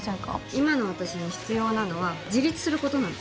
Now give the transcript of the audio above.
今の私に必要なのは自立することなの。